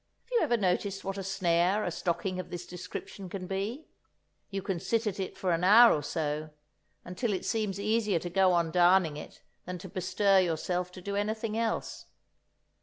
Have you ever noticed what a snare a stocking of this description can be? You can sit at it for an hour or so, until it seems easier to go on darning it than to bestir yourself to do anything else.